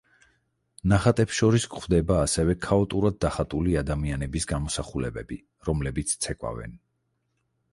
ნახატებს შორის გვხდება ასევე ქაოტურად დახატული ადამიანების გამოსახულებები, რომლებიც ცეკვავენ.